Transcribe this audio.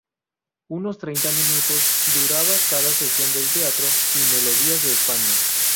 Unos treinta minutos duraba cada sesión del Teatro y Melodías de España.